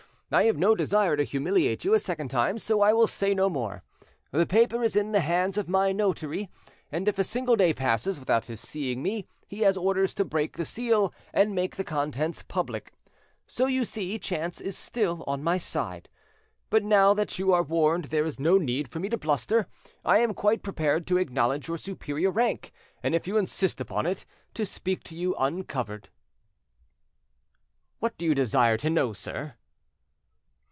I have no desire to humiliate you a second time, so I will say no more. The paper is in the hands of my notary, and if a single day passes without his seeing me he has orders to break the seal and make the contents public. So you see chance is still on my side. But now that you are warned there is no need for me to bluster. I am quite prepared to acknowledge your superior rank, and if you insist upon it, to speak to you uncovered." "What do you desire to know, sir?"